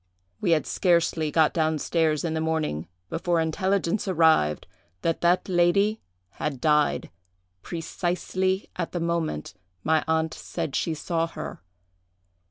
We had scarcely got down stairs in the morning, before intelligence arrived that that lady had died, precisely at the moment my aunt said she saw her.